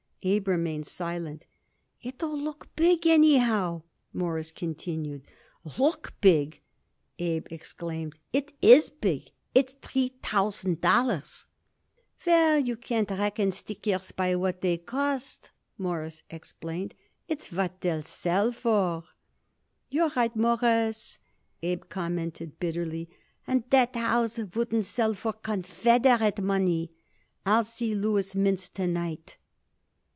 Abe remained silent. "It'll look big, anyhow," Morris continued. "Look big!" Abe exclaimed. "It is big. It's three thousand dollars." "Well, you can't reckon stickers by what they cost," Morris explained. "It's what they'll sell for." "You're right, Mawruss," Abe commented bitterly. "And that house wouldn't sell for Confederate money. I'll see Louis Mintz to night."